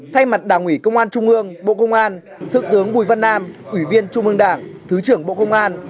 thay mặt đảng ủy công an trung ương bộ công an thượng tướng bùi văn nam ủy viên trung ương đảng thứ trưởng bộ công an